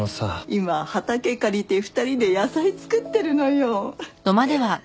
今畑借りて２人で野菜作ってるのよ。